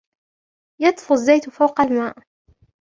يطفو الزيت فوق الماء.